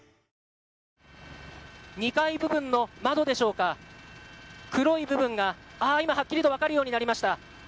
２階部分の窓でしょうか黒い部分が、今はっきりとわかるようになりました。